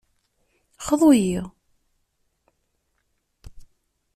Xḍu-yi!